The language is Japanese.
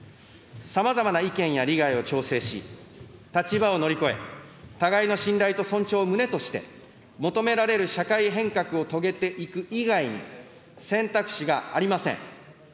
さまざまな意見や利害を調整し、立場を乗り越え、互いの信頼と尊重を旨として、求められる社会変革を遂げていく以外に、選択肢がありません。